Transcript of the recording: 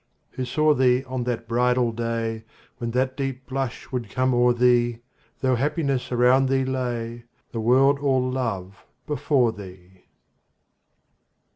Who saw thee on that bridal day, When that deep blush would come o'er thee, Though happiness around thee lay, The world all love before thee.